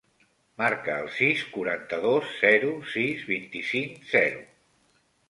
Marca el sis, quaranta-dos, zero, sis, vint-i-cinc, zero.